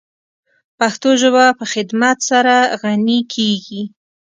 پښتو ژبه په خدمت سره غَنِی کیږی.